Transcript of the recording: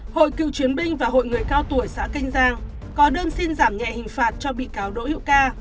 hội cựu chiến binh và hội người cao tuổi xã canh giang có đơn xin giảm nhẹ hình phạt cho bị cáo đỗ hữu ca